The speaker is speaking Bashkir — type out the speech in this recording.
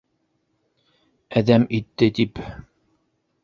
Әҙәм итте тип...